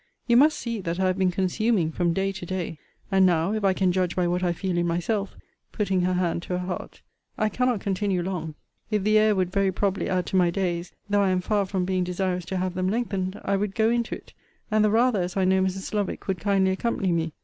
You must see that I have been consuming from day to day; and now, if I can judge by what I feel in myself, putting her hand to her heart, I cannot continue long. If the air would very probably add to my days, though I am far from being desirous to have them lengthened, I would go into it; and the rather, as I know Mrs. Lovick would kindly accompany me.